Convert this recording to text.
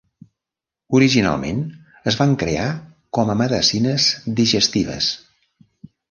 Originalment es van crear com a medecines digestives.